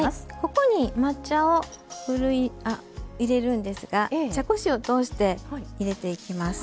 ここに抹茶をふるいあ入れるんですが茶こしを通して入れていきます。